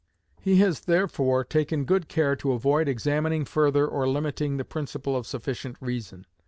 He has therefore taken good care to avoid examining further or limiting the principle of sufficient reason.